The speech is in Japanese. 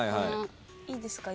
いいですか？